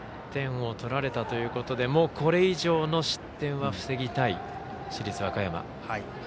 １点を取られたということでもうこれ以上の失点は防ぎたい市立和歌山。